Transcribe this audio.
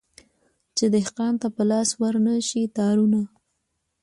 چي دهقان ته په لاس ورنه سي تارونه